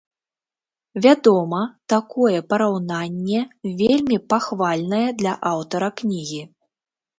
Вядома, такое параўнанне вельмі пахвальнае для аўтара кнігі.